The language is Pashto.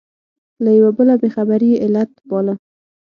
له یوه بله بې خبري یې علت باله.